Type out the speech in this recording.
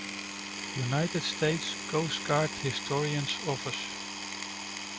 United States Coast Guard Historian's Office.